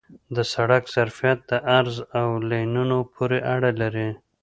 د سړک ظرفیت د عرض او لینونو پورې اړه لري